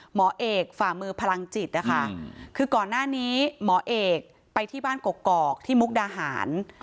หมอเอกฝ่ามือพลังจิตนะคะคือก่อนหน้านี้หมอเอกไปที่บ้านกกอกที่มุกดาหาร